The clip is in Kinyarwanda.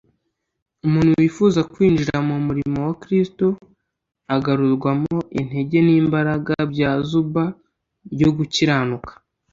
Umuntu wifuza kwinjira mu murimo wa Kristo agarurwamo intege n'imbaraga bya Zuba ryo gukiranuka,